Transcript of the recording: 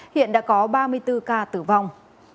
hiện đã có ba mươi bốn ca tử vong